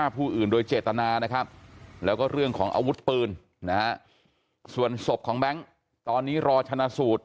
ผู้ศพของแบงค์ตอนนี้รอชนะสูตร